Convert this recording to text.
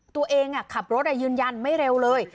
ตัวเองขับรถยืนยันไม่เร็วเลย